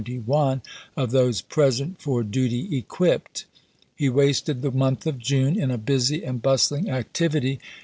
y of those " present for duty equipped," — he wasted p 238. the month of June in a busy and bustling activity 1862.